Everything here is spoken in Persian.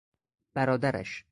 برادرش